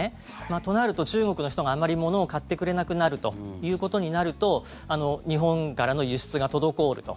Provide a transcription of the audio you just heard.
となると中国の人があまり物を買ってくれなくなるということになると日本からの輸出が滞ると。